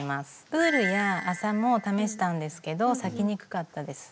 ウールや麻も試したんですけど裂きにくかったです。